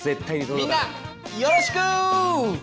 みんなよろしく！